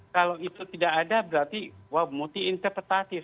kalau itu tidak ada berarti multi interpretatif